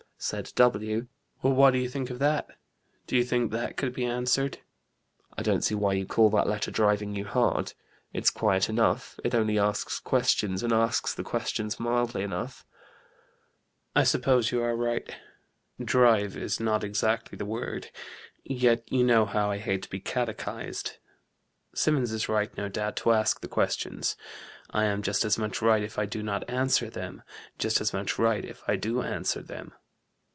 "Said W: 'Well, what do you think of that? Do you think that could be answered?' 'I don't see why you call that letter driving you hard. It's quiet enough it only asks questions, and asks the questions mildly enough,' 'I suppose you are right "drive" is not exactly the word: yet you know how I hate to be catechised. Symonds is right, no doubt, to ask the questions: I am just as much right if I do not answer them: just as much right if I do answer them.